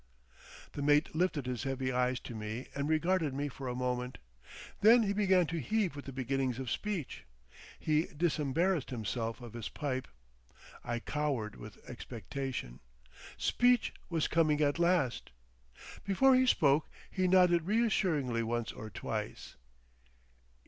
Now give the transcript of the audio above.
The mate lifted his heavy eyes to me and regarded me for a moment. Then he began to heave with the beginnings of speech. He disembarrassed himself of his pipe. I cowered with expectation. Speech was coming at last. Before he spoke he nodded reassuringly once or twice.